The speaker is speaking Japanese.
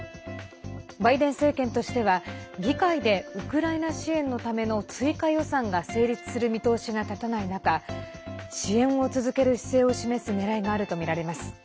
バイデン政権としては議会でウクライナ支援のための追加予算が成立する見通しが立たない中支援を続ける姿勢を示すねらいがあるとみられます。